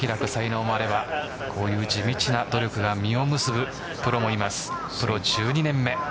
ぱっと開く才能もあればこういう地道な努力が実を結ぶプロもいます。